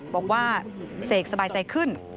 บอกว่าเสกสบายใจขึ้น